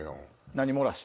何漏らし？